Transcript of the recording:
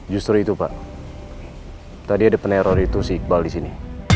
justru itu pak tadi ada peneror itu si iqbal disini